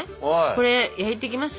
これ焼いていきますよ。